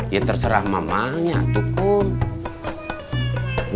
yaa terserah mamanya leading